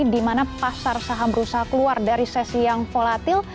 di mana pasar saham berusaha keluar dari sesi yang volatil